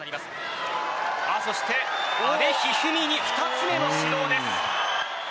そして、阿部一二三に２つ目の指導です。